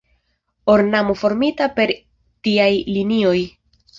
Ornamo formita per tiaj linioj.